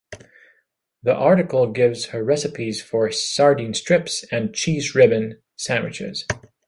The article gives her recipes for "Sardine Strips" and "Cheese Ribbon" sandwiches.